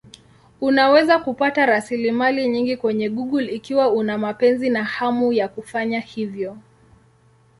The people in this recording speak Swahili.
Unaweza kupata rasilimali nyingi kwenye Google ikiwa una mapenzi na hamu ya kufanya hivyo.